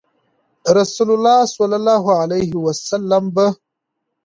رسول الله صلی الله عليه وسلم به